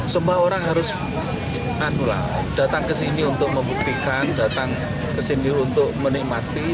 semua orang harus datang ke sini untuk membuktikan datang ke sini untuk menikmati